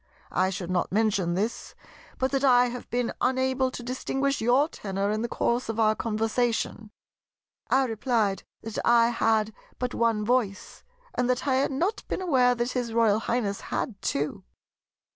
I should not mention this, but that I have been unable to distinguish your tenor in the course of our conversation." I replied that I had but one voice, and that I had not been aware that his Royal Highness had two.